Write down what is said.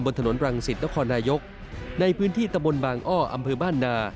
บนถนนรังสิทธิ์นครนายกในพื้นที่ตะมนต์บางอ้ออมพื้นบ้านนา